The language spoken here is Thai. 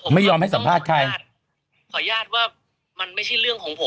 ไม่ยอมให้จะสัมภาษณ์แฮค